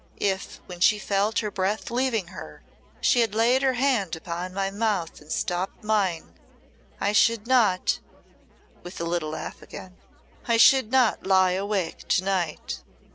If, when she felt her breath leaving her, she had laid her hand upon my mouth and stopped mine, I should not," with the little laugh again "I should not lie awake to night."